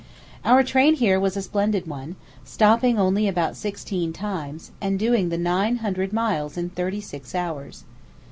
Our train here was a splendid one, stopping only about sixteen times, and doing the nine hundred miles in thirty six hours.